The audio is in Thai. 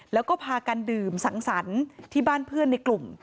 แล้วก็พากันดื่มสังสรรค์ที่บ้านเพื่อนในกลุ่ม